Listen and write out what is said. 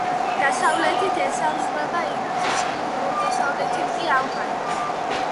დასავლეთით ესაზღვრება ირანს, ჩრდილო-დასავლეთით კი ავღანეთს.